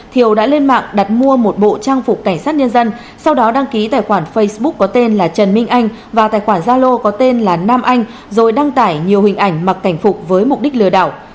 thiều đã lên mạng đặt mua một bộ trang phục cảnh sát nhân dân sau đó đăng ký tài khoản facebook có tên là trần minh anh vào tài khoản gia lô có tên là nam anh rồi đăng tải nhiều hình ảnh mặc cảnh phục với mục đích lừa đảo